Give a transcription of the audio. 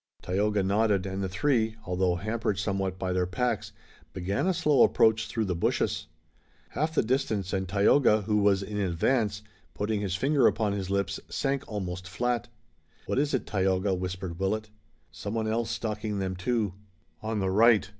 Tayoga nodded, and the three, although hampered somewhat by their packs, began a slow approach through the bushes. Half the distance, and Tayoga, who was in advance, putting his finger upon his lips, sank almost flat. "What is it, Tayoga?" whispered Willet. "Someone else stalking them too. On the right.